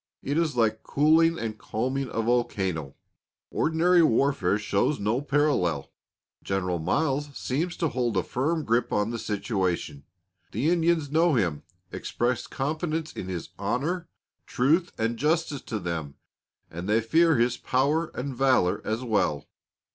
It is like cooling and calming a volcano. Ordinary warfare shows no parallel. General Miles seems to hold a firm grip on the situation. The Indians know him, express confidence in his honor, truth, and justice to them, and they fear his power and valor as well.